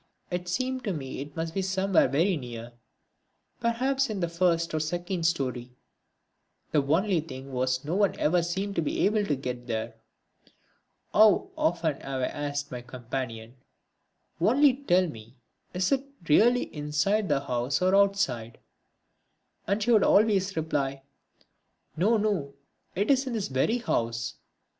It seemed to me it must be somewhere very near perhaps in the first or second storey; the only thing was one never seemed to be able to get there. How often have I asked my companion, "Only tell me, is it really inside the house or outside?" And she would always reply, "No, no, it's in this very house."